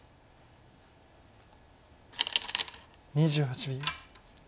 ２８秒。